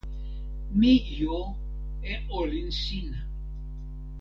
mi jo e olin sina.